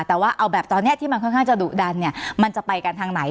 แต่ว่าเอาแบบตอนนี้ที่มันค่อนข้างจะดุดันเนี่ยมันจะไปกันทางไหน